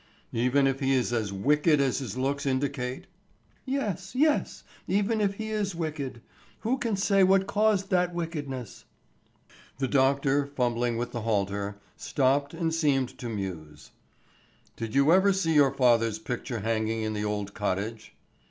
"Even if he is as wicked as his looks indicate?" "Yes, yes, even if he is wicked. Who can say what caused that wickedness." The doctor, fumbling with the halter, stopped and seemed to muse. "Did you ever see your father's picture hanging in the old cottage?"